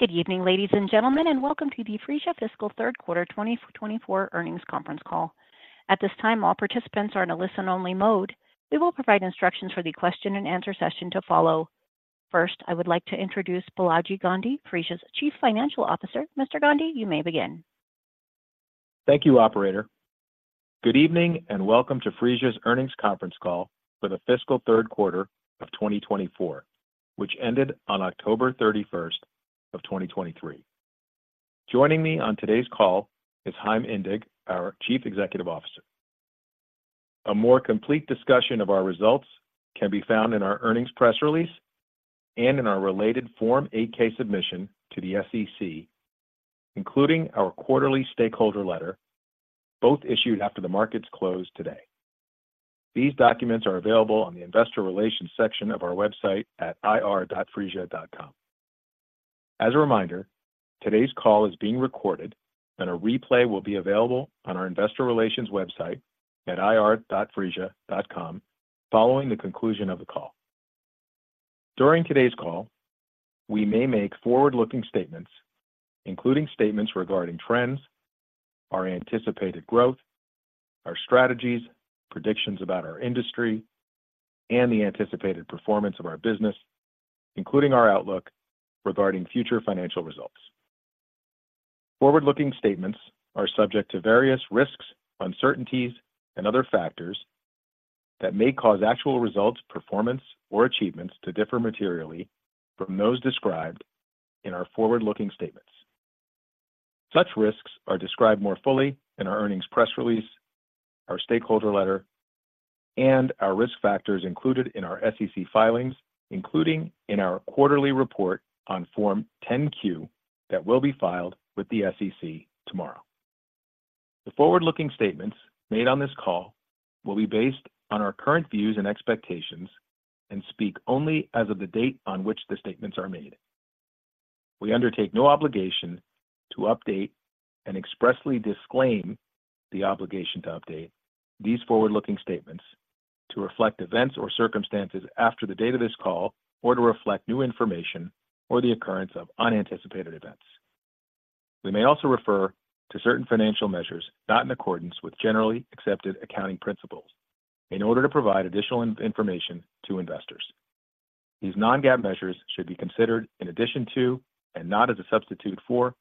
Good evening, ladies and gentlemen, and welcome to the Phreesia fiscal third quarter 2024 earnings conference call. At this time, all participants are in a listen-only mode. We will provide instructions for the question-and-answer session to follow. First, I would like to introduce Balaji Gandhi, Phreesia's Chief Financial Officer. Mr. Gandhi, you may begin. Thank you, operator. Good evening, and welcome to Phreesia's earnings conference call for the fiscal third quarter of 2024, which ended on October 31, 2023. Joining me on today's call is Chaim Indig, our Chief Executive Officer. A more complete discussion of our results can be found in our earnings press release and in our related Form 8-K submission to the SEC, including our quarterly stakeholder letter, both issued after the markets closed today. These documents are available on the investor relations section of our website at ir.phreesia.com. As a reminder, today's call is being recorded, and a replay will be available on our investor relations website at ir.phreesia.com following the conclusion of the call. During today's call, we may make forward-looking statements, including statements regarding trends, our anticipated growth, our strategies, predictions about our industry, and the anticipated performance of our business, including our outlook regarding future financial results. Forward-looking statements are subject to various risks, uncertainties, and other factors that may cause actual results, performance, or achievements to differ materially from those described in our forward-looking statements. Such risks are described more fully in our earnings press release, our stakeholder letter, and our risk factors included in our SEC filings, including in our quarterly report on Form 10-Q that will be filed with the SEC tomorrow. The forward-looking statements made on this call will be based on our current views and expectations and speak only as of the date on which the statements are made. We undertake no obligation to update and expressly disclaim the obligation to update these forward-looking statements to reflect events or circumstances after the date of this call or to reflect new information or the occurrence of unanticipated events. We may also refer to certain financial measures not in accordance with generally accepted accounting principles in order to provide additional information to investors. These non-GAAP measures should be considered in addition to, and not as a substitute for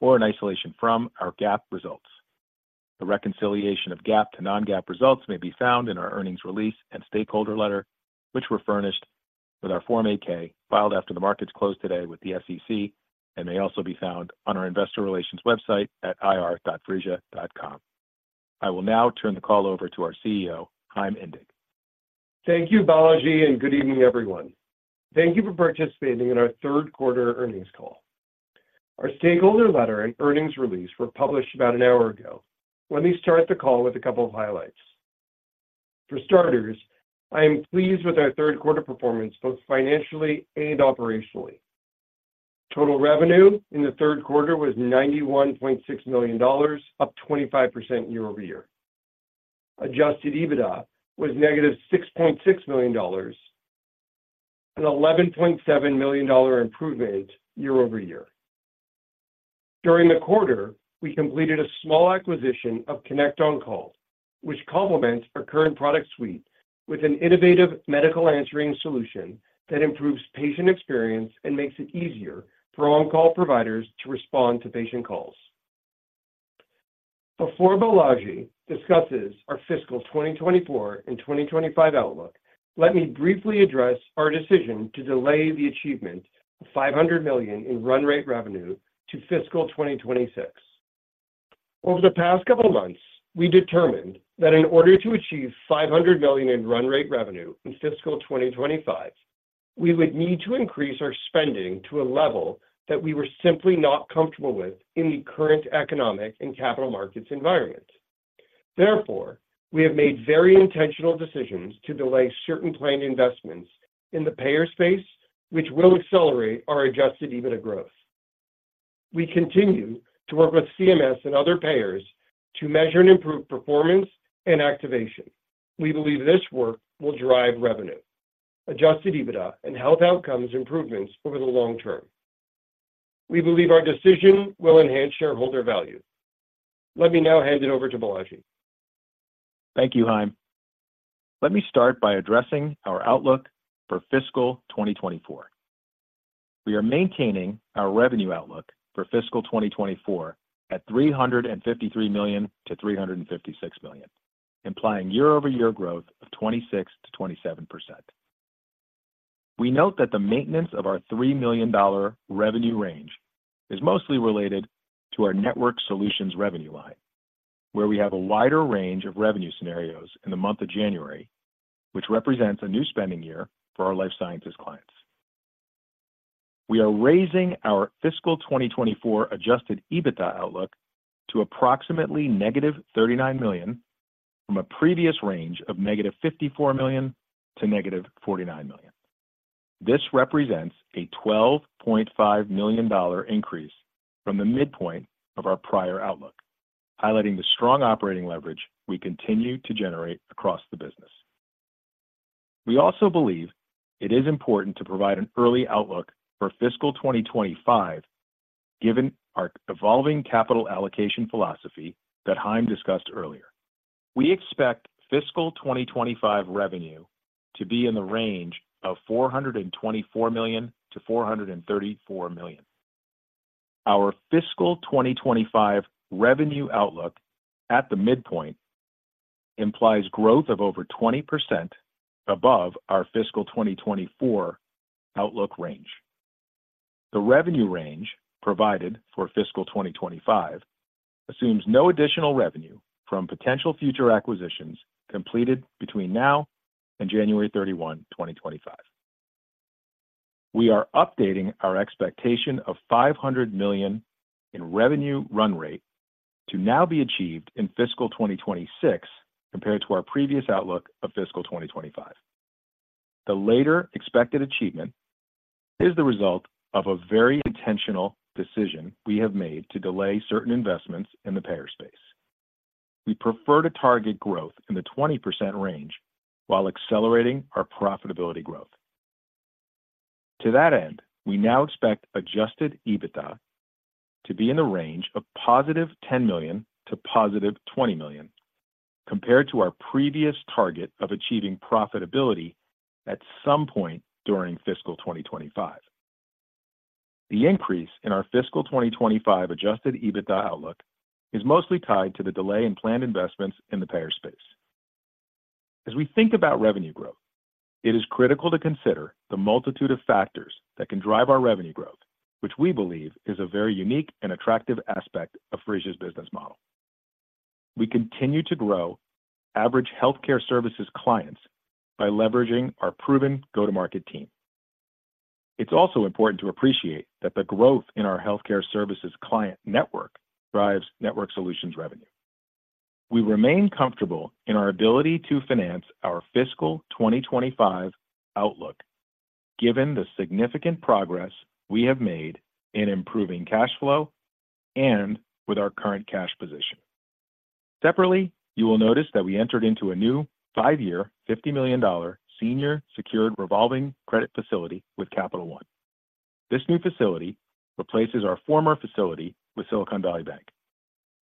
or in isolation from, our GAAP results. The reconciliation of GAAP to non-GAAP results may be found in our earnings release and stakeholder letter, which were furnished with our Form 8-K, filed after the markets closed today with the SEC, and may also be found on our investor relations website at ir.phreesia.com. I will now turn the call over to our CEO, Chaim Indig. Thank you, Balaji, and good evening, everyone. Thank you for participating in our third quarter earnings call. Our stakeholder letter and earnings release were published about an hour ago. Let me start the call with a couple of highlights. For starters, I am pleased with our third quarter performance, both financially and operationally. Total revenue in the third quarter was $91.6 million, up 25% year-over-year. Adjusted EBITDA was -$6.6 million, an $11.7 million improvement year-over-year. During the quarter, we completed a small acquisition of ConnectOnCall, which complements our current product suite with an innovative medical answering solution that improves patient experience and makes it easier for on-call providers to respond to patient calls. Before Balaji discusses our fiscal 2024 and 2025 outlook, let me briefly address our decision to delay the achievement of $500 million in run rate revenue to fiscal 2026. Over the past couple of months, we determined that in order to achieve $500 million in run rate revenue in fiscal 2025, we would need to increase our spending to a level that we were simply not comfortable with in the current economic and capital markets environment. Therefore, we have made very intentional decisions to delay certain planned investments in the payer space, which will accelerate our Adjusted EBITDA growth. We continue to work with CMS and other payers to measure and improve performance and activation. We believe this work will drive revenue, Adjusted EBITDA, and health outcomes improvements over the long term. We believe our decision will enhance shareholder value. Let me now hand it over to Balaji. Thank you, Chaim. Let me start by addressing our outlook for fiscal 2024. We are maintaining our revenue outlook for fiscal 2024 at $353 million-$356 million, implying year-over-year growth of 26%-27%. We note that the maintenance of our $3 million revenue range is mostly related to our Network Solutions revenue line, where we have a wider range of revenue scenarios in the month of January, which represents a new spending year for our life sciences clients. We are raising our fiscal 2024 Adjusted EBITDA outlook to approximately -$39 million from a previous range of -$54 million--$49 million. This represents a $12.5 million increase from the midpoint of our prior outlook, highlighting the strong operating leverage we continue to generate across the business.... We also believe it is important to provide an early outlook for fiscal 2025, given our evolving capital allocation philosophy that Chaim discussed earlier. We expect fiscal 2025 revenue to be in the range of $424 million-$434 million. Our fiscal 2025 revenue outlook at the midpoint implies growth of over 20% above our fiscal 2024 outlook range. The revenue range provided for fiscal 2025 assumes no additional revenue from potential future acquisitions completed between now and January 31, 2025. We are updating our expectation of $500 million in revenue run rate to now be achieved in fiscal 2026, compared to our previous outlook of fiscal 2025. The later expected achievement is the result of a very intentional decision we have made to delay certain investments in the payer space. We prefer to target growth in the 20% range while accelerating our profitability growth. To that end, we now expect Adjusted EBITDA to be in the range of $10 million-$20 million, compared to our previous target of achieving profitability at some point during fiscal 2025. The increase in our fiscal 2025 Adjusted EBITDA outlook is mostly tied to the delay in planned investments in the payer space. As we think about revenue growth, it is critical to consider the multitude of factors that can drive our revenue growth, which we believe is a very unique and attractive aspect of Phreesia's business model. We continue to grow average healthcare services clients by leveraging our proven go-to-market team. It's also important to appreciate that the growth in our healthcare services client network drives network solutions revenue. We remain comfortable in our ability to finance our fiscal 2025 outlook, given the significant progress we have made in improving cash flow and with our current cash position. Separately, you will notice that we entered into a new five-year, $50 million senior secured revolving credit facility with Capital One. This new facility replaces our former facility with Silicon Valley Bank.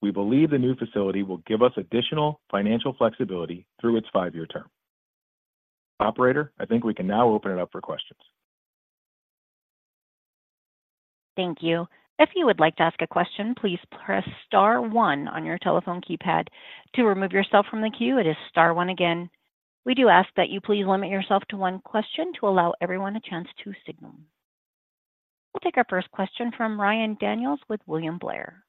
We believe the new facility will give us additional financial flexibility through its 5-year term. Operator, I think we can now open it up for questions. Thank you. If you would like to ask a question, please press star one on your telephone keypad. To remove yourself from the queue, it is star one again. We do ask that you please limit yourself to one question to allow everyone a chance to signal. We'll take our first question from Ryan Daniels with William Blair.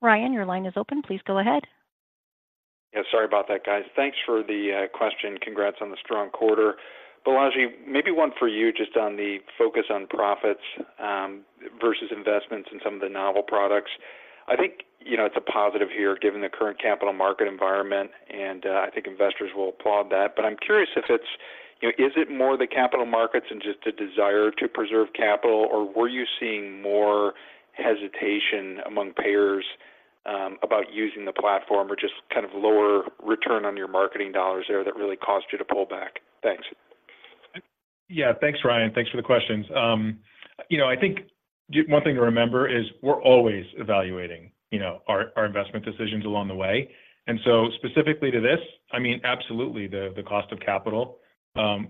Ryan, your line is open. Please go ahead. Yeah, sorry about that, guys. Thanks for the question. Congrats on the strong quarter. Balaji, maybe one for you, just on the focus on profits versus investments in some of the novel products. I think, you know, it's a positive here, given the current capital market environment, and I think investors will applaud that. But I'm curious if it's, you know, is it more the capital markets and just the desire to preserve capital, or were you seeing more hesitation among payers about using the platform or just kind of lower return on your marketing dollars there that really caused you to pull back? Thanks. Yeah. Thanks, Ryan. Thanks for the questions. You know, I think one thing to remember is we're always evaluating, you know, our, our investment decisions along the way. And so specifically to this, I mean, absolutely, the, the cost of capital,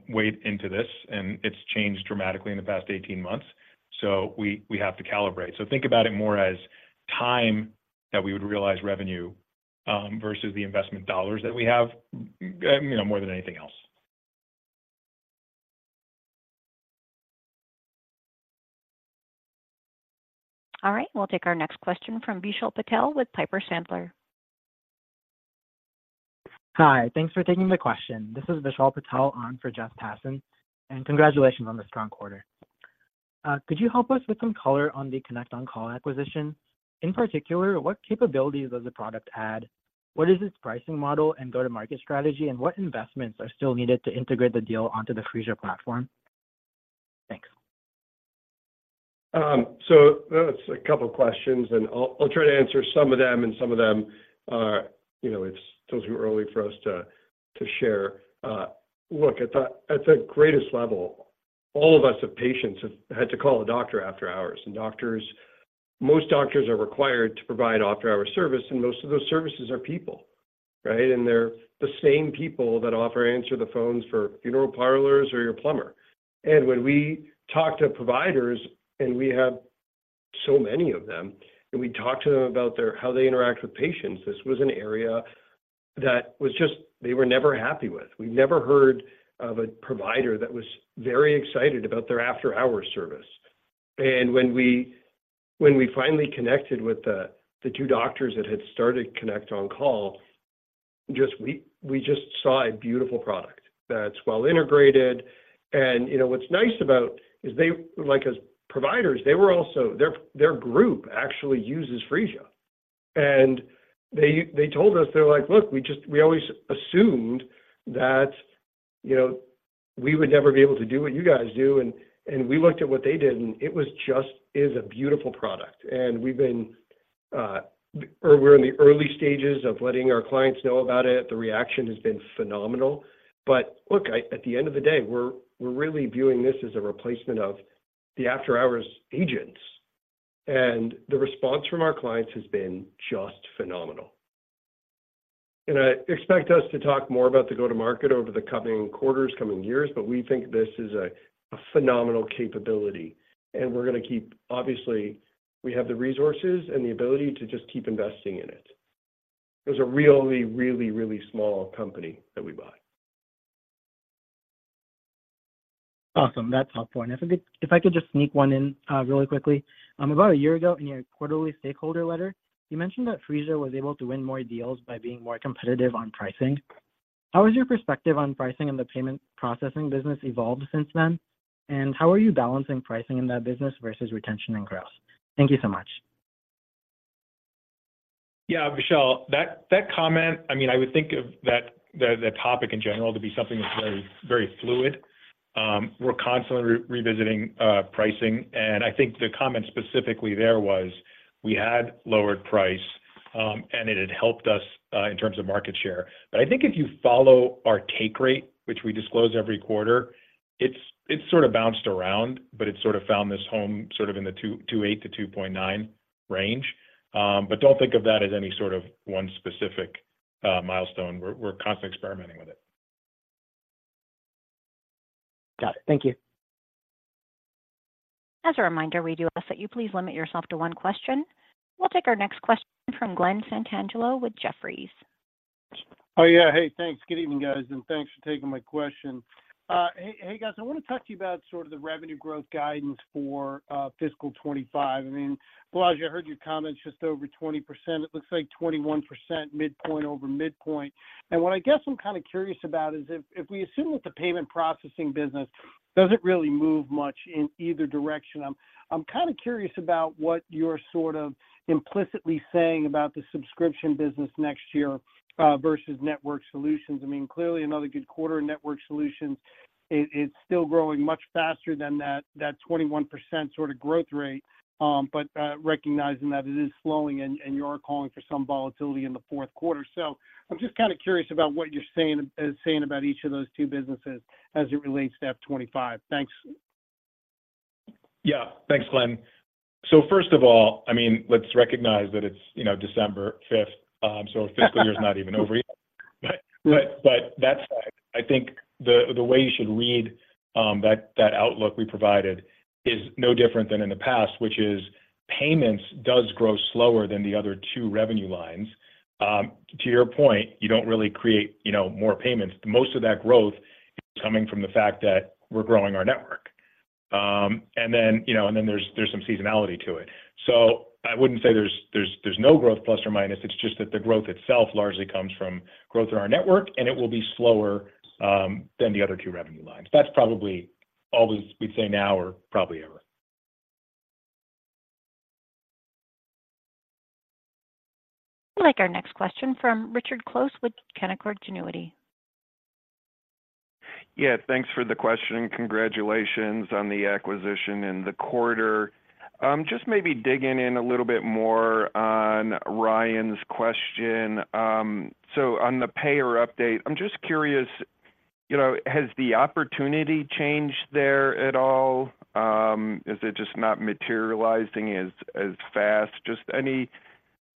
weighed into this, and it's changed dramatically in the past 18 months, so we, we have to calibrate. So think about it more as time that we would realize revenue, versus the investment dollars that we have, you know, more than anything else. All right. We'll take our next question from Vishal Patel with Piper Sandler. Hi, thanks for taking the question. This is Vishal Patel on for Jessica Tassan, and congratulations on the strong quarter. Could you help us with some color on the ConnectOnCall acquisition? In particular, what capabilities does the product add? What is its pricing model and go-to-market strategy, and what investments are still needed to integrate the deal onto the Phreesia platform? Thanks. So that's a couple questions, and I'll try to answer some of them, and some of them are, you know, it's still too early for us to share. Look, at the greatest level, all of us have had to call a doctor after hours, and doctors, most doctors are required to provide after-hour service, and most of those services are people, right? And they're the same people that often answer the phones for funeral parlors or your plumber. And when we talk to providers, and we have so many of them, and we talk to them about their, how they interact with patients, this was an area that was just, they were never happy with. We never heard of a provider that was very excited about their after-hour service. And when we finally connected with the two doctors that had started ConnectOnCall, we just saw a beautiful product that's well integrated. And, you know, what's nice about it is they... Like as providers, they were also—their group actually uses Phreesia. And they told us, they're like: "Look, we just—we always assumed that, you know, we would never be able to do what you guys do." And we looked at what they did, and it just is a beautiful product. And we've been or we're in the early stages of letting our clients know about it. The reaction has been phenomenal. But look, at the end of the day, we're really viewing this as a replacement of the after-hours agents, and the response from our clients has been just phenomenal. I expect us to talk more about the go-to-market over the coming quarters, coming years, but we think this is a, a phenomenal capability, and we're gonna keep, obviously, we have the resources and the ability to just keep investing in it. It was a really, really, really small company that we bought. Awesome. That's helpful. If I could, if I could just sneak one in, really quickly. About a year ago, in your quarterly stakeholder letter, you mentioned that Phreesia was able to win more deals by being more competitive on pricing. How has your perspective on pricing in the payment processing business evolved since then? And how are you balancing pricing in that business versus retention and growth? Thank you so much. Yeah, Vishal, that comment, I mean, I would think of that, the topic in general to be something that's very, very fluid. We're constantly revisiting pricing, and I think the comment specifically there was we had lowered price, and it had helped us in terms of market share. But I think if you follow our take rate, which we disclose every quarter, it's sort of bounced around, but it's sort of found this home, sort of in the 2.8-2.9 range. But don't think of that as any sort of one specific milestone. We're constantly experimenting with it. Got it. Thank you. As a reminder, we do ask that you please limit yourself to one question. We'll take our next question from Glen Santangelo with Jefferies. Oh, yeah. Hey, thanks. Good evening, guys, and thanks for taking my question. Hey, hey, guys, I wanna talk to you about sort of the revenue growth guidance for fiscal 2025. I mean, Balaji, I heard your comments, just over 20%. It looks like 21%, midpoint over midpoint. And what I guess I'm kind of curious about is if we assume that the payment processing business doesn't really move much in either direction, I'm kind of curious about what you're sort of implicitly saying about the subscription business next year versus Network Solutions. I mean, clearly another good quarter in Network Solutions. It's still growing much faster than that 21% sort of growth rate, but recognizing that it is slowing and you are calling for some volatility in the fourth quarter. I'm just kind of curious about what you're saying about each of those two businesses as it relates to FY 25. Thanks. Yeah. Thanks, Glenn. So first of all, I mean, let's recognize that it's, you know, December fifth, the fiscal year is not even over yet. But that said, I think the way you should read that outlook we provided is no different than in the past, which is payments does grow slower than the other two revenue lines. To your point, you don't really create, you know, more payments. Most of that growth is coming from the fact that we're growing our network. And then, you know, and then there's some seasonality to it. So I wouldn't say there's no growth plus or minus, it's just that the growth itself largely comes from growth in our network, and it will be slower than the other two revenue lines. That's probably always we'd say now or probably ever. We'll take our next question from Richard Close with Canaccord Genuity. Yeah, thanks for the question, and congratulations on the acquisition in the quarter. Just maybe digging in a little bit more on Ryan's question. So on the payer update, I'm just curious, you know, has the opportunity changed there at all? Is it just not materializing as fast? Just any,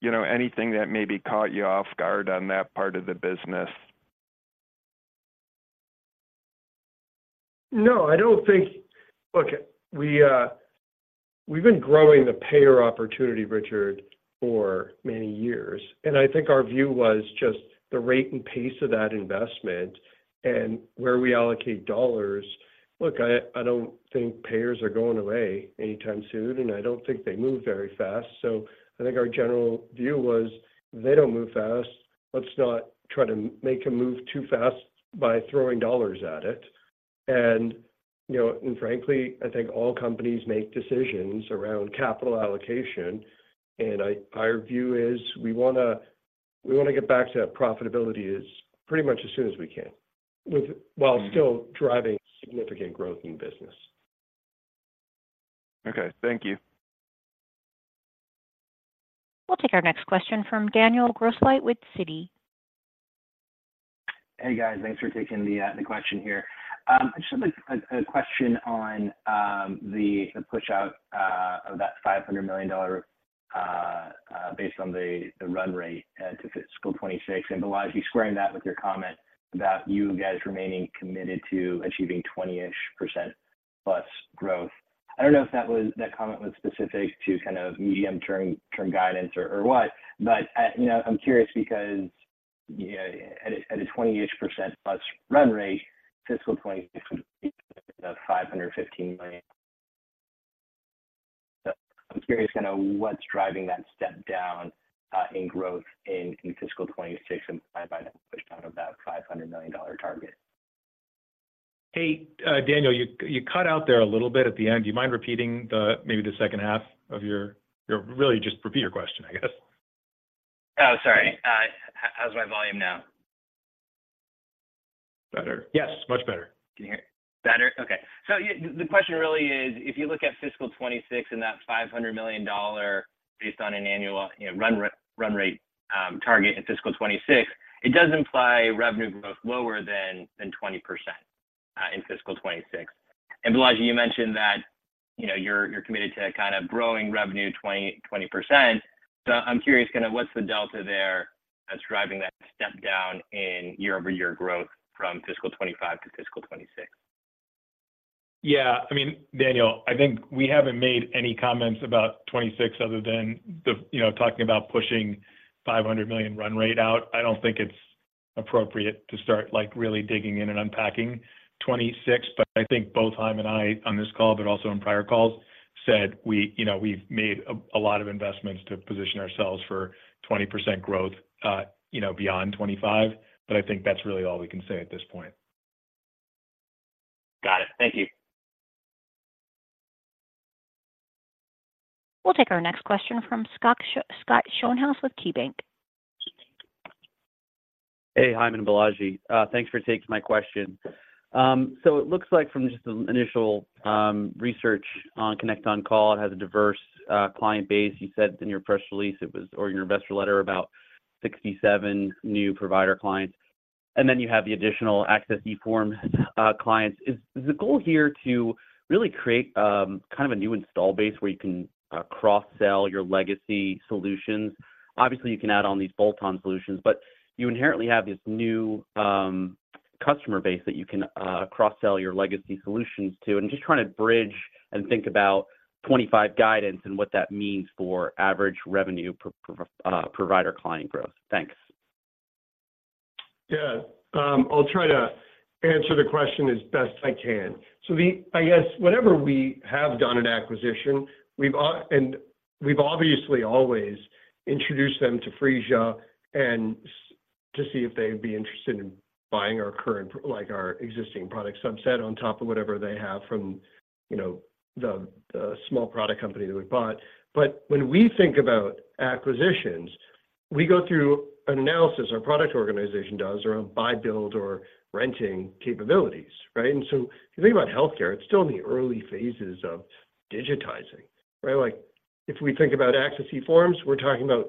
you know, anything that maybe caught you off guard on that part of the business. No, I don't think... Look, we, we've been growing the payer opportunity, Richard, for many years, and I think our view was just the rate and pace of that investment and where we allocate dollars. Look, I, I don't think payers are going away anytime soon, and I don't think they move very fast. So I think our general view was they don't move fast. Let's not try to make a move too fast by throwing dollars at it. And, you know, and frankly, I think all companies make decisions around capital allocation, and our view is we wanna, we wanna get back to that profitability as pretty much as soon as we can, with- Mm-hmm... while still driving significant growth in business. Okay, thank you. We'll take our next question from Daniel Grosslight with Citi. Hey, guys. Thanks for taking the question here. I just have a question on the pushout of that $500 million based on the run rate to fiscal 2026. And Balaji, squaring that with your comment about you guys remaining committed to achieving 20-ish%+ growth. I don't know if that comment was specific to kind of medium-term guidance or what, but you know, I'm curious because, you know, at a 20-ish%+ run rate, fiscal 2026 would be $515 million. So I'm curious, kind of, what's driving that step down in growth in fiscal 2026, and by that, pushed out about $500 million target?... Hey, Daniel, you cut out there a little bit at the end. Do you mind repeating the, maybe the second half of your, really, just repeat your question, I guess. Oh, sorry. How's my volume now? Better? Yes, much better. Can you hear it better? Okay. So the question really is, if you look at fiscal 2026 and that $500 million based on an annual, you know, run rate target in fiscal 2026, it does imply revenue growth lower than 20% in fiscal 2026. And Balaji, you mentioned that, you know, you're committed to kind of growing revenue 20, 20%. So I'm curious, kinda, what's the delta there that's driving that step down in year-over-year growth from fiscal 2025 to fiscal 2026? Yeah. I mean, Daniel, I think we haven't made any comments about 26 other than the, you know, talking about pushing $500 million run rate out. I don't think it's appropriate to start, like, really digging in and unpacking 26. But I think both Chaim and I on this call, but also on prior calls, said we—you know, we've made a lot of investments to position ourselves for 20% growth, you know, beyond 25. But I think that's really all we can say at this point. Got it. Thank you. We'll take our next question from Scott Schoenhaus with KeyBanc. Hey, Chaim and Balaji. Thanks for taking my question. So it looks like from just the initial research on ConnectOnCall, it has a diverse client base. You said in your press release it was, or in your investor letter, about 67 new provider clients, and then you have the additional Access eForms clients. Is the goal here to really create kind of a new install base where you can cross-sell your legacy solutions? Obviously, you can add on these bolt-on solutions, but you inherently have this new customer base that you can cross-sell your legacy solutions to. I'm just trying to bridge and think about 25 guidance and what that means for average revenue per provider client growth. Thanks. Yeah. I'll try to answer the question as best I can. So... I guess, whenever we have done an acquisition, we've obviously always introduced them to Phreesia and to see if they'd be interested in buying our current, like, our existing product subset on top of whatever they have from, you know, the, the small product company that we bought. But when we think about acquisitions, we go through an analysis, our product organization does, around buy, build, or renting capabilities, right? And so if you think about healthcare, it's still in the early phases of digitizing, right? Like, if we think about Access eForms, we're talking about,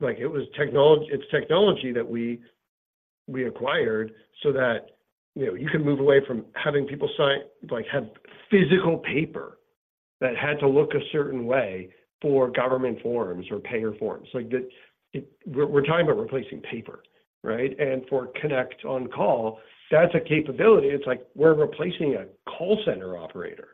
like, it's technology that we acquired so that, you know, you can move away from having people sign, like, have physical paper that had to look a certain way for government forms or payer forms. Like, we're talking about replacing paper, right? And for ConnectOnCall, that's a capability. It's like we're replacing a call center operator.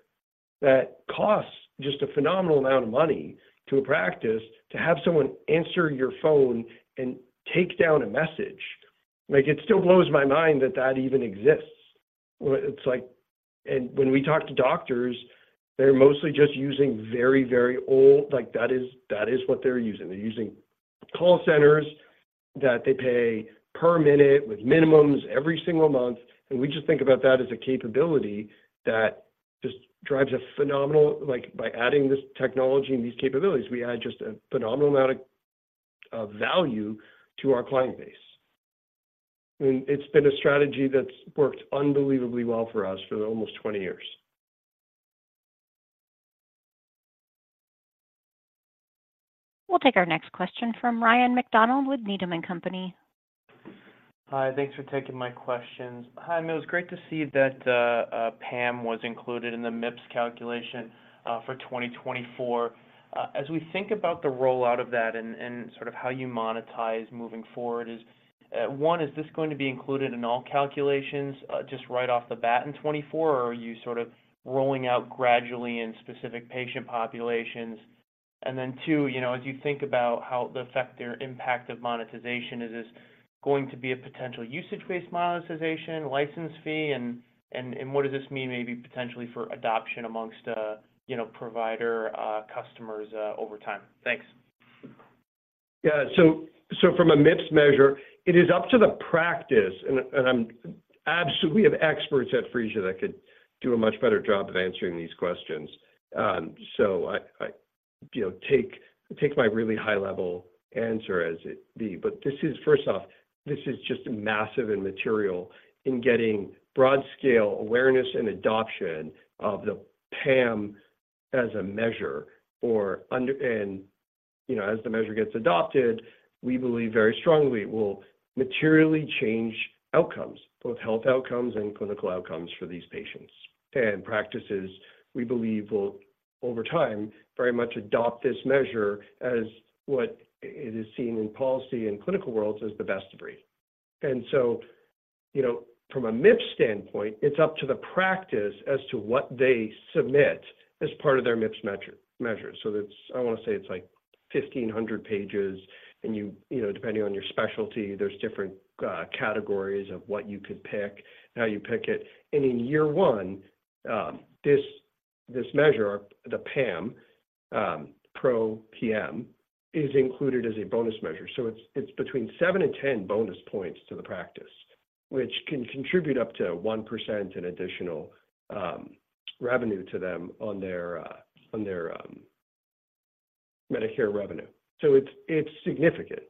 That costs just a phenomenal amount of money to a practice to have someone answer your phone and take down a message. Like, it still blows my mind that that even exists. Well, it's like... And when we talk to doctors, they're mostly just using very old-- Like, that is what they're using. They're using call centers that they pay per minute with minimums every single month, and we just think about that as a capability that just drives a phenomenal. Like, by adding this technology and these capabilities, we add just a phenomenal amount of, of value to our client base. It's been a strategy that's worked unbelievably well for us for almost 20 years. We'll take our next question from Ryan MacDonald with Needham & Company. Hi, thanks for taking my questions. Chaim, it was great to see that PAM was included in the MIPS calculation for 2024. As we think about the rollout of that and sort of how you monetize moving forward, is one, is this going to be included in all calculations just right off the bat in 2024, or are you sort of rolling out gradually in specific patient populations? And then two, you know, as you think about how the effect or impact of monetization, is this going to be a potential usage-based monetization, license fee, and what does this mean maybe potentially for adoption amongst you know, provider customers over time? Thanks. Yeah. So from a MIPS measure, it is up to the practice, and I'm... Absolutely, we have experts at Phreesia that could do a much better job of answering these questions. So, you know, take my really high-level answer as it be. But this is, first off, this is just massive and material in getting broad-scale awareness and adoption of the PAM as a measure. Or under- and, you know, as the measure gets adopted, we believe very strongly it will materially change outcomes, both health outcomes and clinical outcomes for these patients. And practices, we believe, will, over time, very much adopt this measure as what it is seen in policy and clinical worlds as the best of breed. And so, you know, from a MIPS standpoint, it's up to the practice as to what they submit as part of their MIPS measure, measure. So it's, I wanna say it's, like, 1,500 pages, and you, you know, depending on your specialty, there's different categories of what you could pick and how you pick it. And in year one, this measure, the PAM, PRO-PM, is included as a bonus measure. So it's between 7 and 10 bonus points to the practice, which can contribute up to 1% in additional revenue to them on their Medicare revenue. So it's significant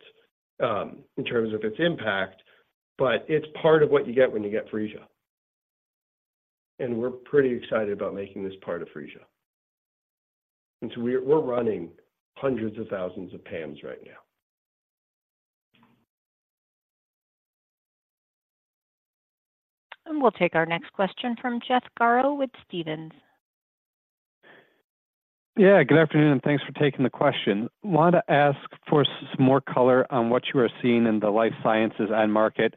in terms of its impact, but it's part of what you get when you get Phreesia. And we're pretty excited about making this part of Phreesia. And so we're running hundreds of thousands of PAMs right now. We'll take our next question from Jeff Garro with Stephens. Yeah, good afternoon, and thanks for taking the question. Wanted to ask for some more color on what you are seeing in the life sciences end market.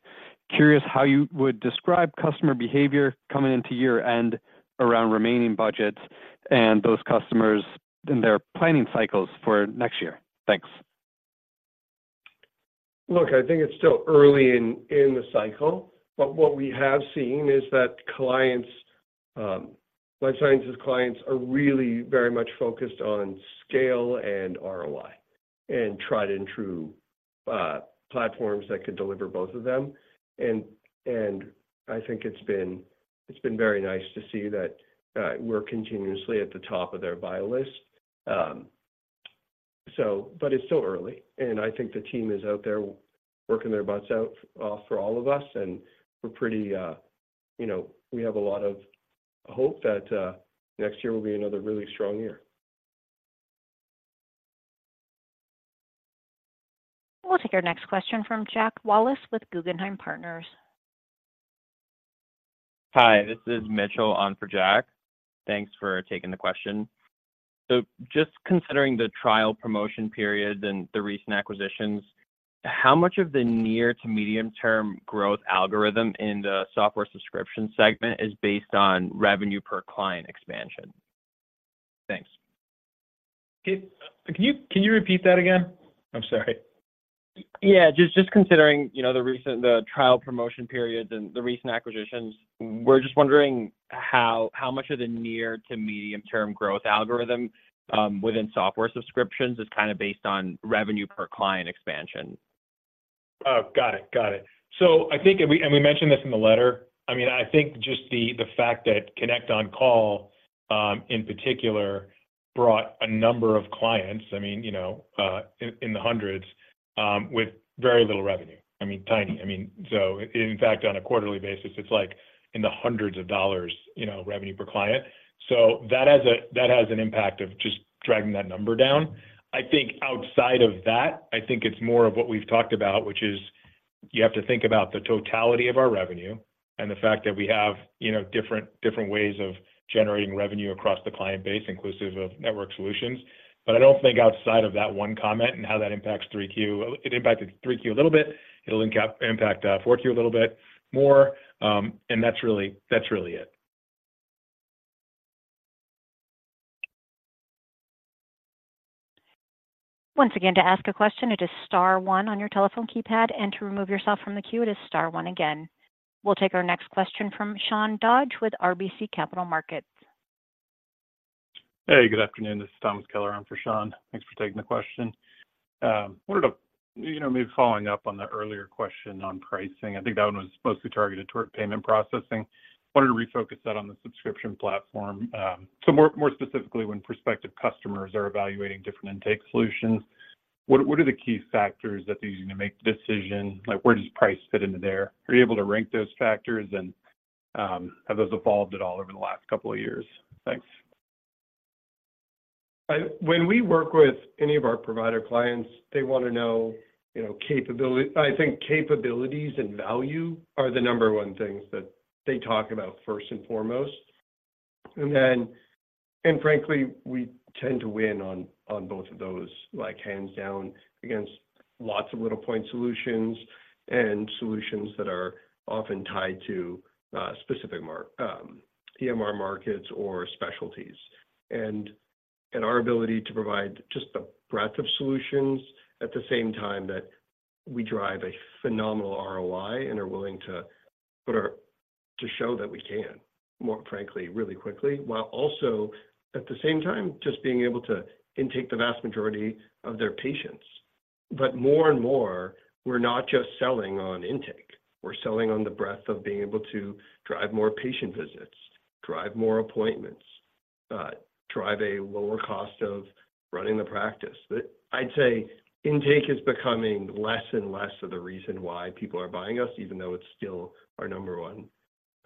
Curious how you would describe customer behavior coming into year-end around remaining budgets and those customers and their planning cycles for next year? Thanks. Look, I think it's still early in the cycle, but what we have seen is that clients, life sciences clients are really very much focused on scale and ROI, and tried-and-true platforms that could deliver both of them. And I think it's been very nice to see that we're continuously at the top of their buy list. But it's still early, and I think the team is out there working their butts out for all of us, and we're pretty... You know, we have a lot of hope that next year will be another really strong year. We'll take our next question from Jack Wallace with Guggenheim Partners. Hi, this is Mitchell on for Jack. Thanks for taking the question. Just considering the trial promotion period and the recent acquisitions, how much of the near to medium-term growth algorithm in the software subscription segment is based on revenue per client expansion? Thanks. Can you repeat that again? I'm sorry. Yeah, just considering, you know, the recent trial promotion periods and the recent acquisitions, we're just wondering how much of the near- to medium-term growth algorithm within software subscriptions is kind of based on revenue per client expansion? Oh, got it. Got it. So I think, and we, and we mentioned this in the letter, I mean, I think just the, the fact that ConnectOnCall, in particular, brought a number of clients, I mean, you know, in the hundreds, with very little revenue. I mean, tiny. I mean, so in fact, on a quarterly basis, it's, like, in the hundreds of dollars, you know, revenue per client. So that has a, that has an impact of just dragging that number down. I think outside of that, I think it's more of what we've talked about, which is you have to think about the totality of our revenue and the fact that we have, you know, different, different ways of generating revenue across the client base, inclusive of Network Solutions. But I don't think outside of that one comment and how that impacts 3Q. It impacted 3Q a little bit. It'll impact 4Q a little bit more, and that's really, that's really it. Once again, to ask a question, it is star one on your telephone keypad, and to remove yourself from the queue, it is star one again. We'll take our next question from Sean Dodge with RBC Capital Markets. Hey, good afternoon. This is Thomas Keller in for Sean. Thanks for taking the question. Wanted to, you know, maybe following up on the earlier question on pricing, I think that one was mostly targeted toward payment processing. Wanted to refocus that on the subscription platform. So more specifically, when prospective customers are evaluating different intake solutions, what are the key factors that they're using to make the decision? Like, where does price fit into there? Are you able to rank those factors and, have those evolved at all over the last couple of years? Thanks. When we work with any of our provider clients, they wanna know, you know, capability. I think capabilities and value are the number one things that they talk about first and foremost. And then, frankly, we tend to win on both of those, like, hands down against lots of little point solutions and solutions that are often tied to specific EMR markets or specialties. And our ability to provide just the breadth of solutions, at the same time that we drive a phenomenal ROI and are willing to put our to show that we can, more frankly, really quickly, while also at the same time, just being able to intake the vast majority of their patients. But more and more, we're not just selling on intake. We're selling on the breadth of being able to drive more patient visits, drive more appointments, drive a lower cost of running the practice. But I'd say intake is becoming less and less of the reason why people are buying us,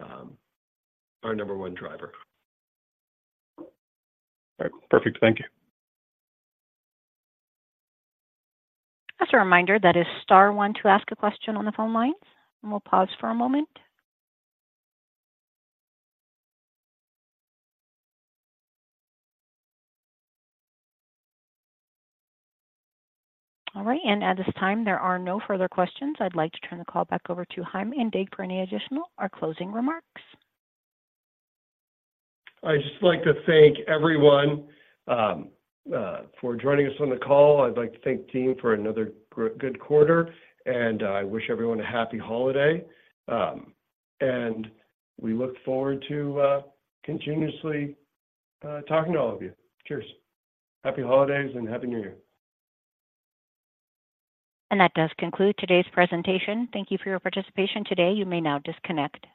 even though it's still our number one, our number one driver. All right. Perfect. Thank you. Just a reminder, that is star one to ask a question on the phone lines, and we'll pause for a moment. All right, at this time, there are no further questions. I'd like to turn the call back over to Chaim Indig for any additional or closing remarks. I'd just like to thank everyone for joining us on the call. I'd like to thank the team for another good quarter, and I wish everyone a happy holiday. And we look forward to continuously talking to all of you. Cheers. Happy holidays, and Happy New Year. That does conclude today's presentation. Thank you for your participation today. You may now disconnect.